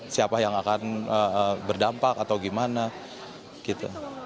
siapa yang akan berdampak atau gimana gitu